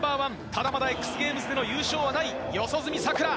ただ、まだＸＧａｍｅｓでの優勝はない四十住さくら。